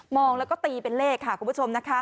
องแล้วก็ตีเป็นเลขค่ะคุณผู้ชมนะคะ